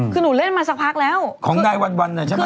คือหนูเล่นมาสักพักแล้วของนายวันวันเนี่ยใช่ไหม